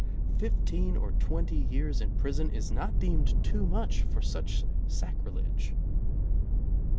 Fifteen or twenty years in prison is not deemed too much for such sacrilege.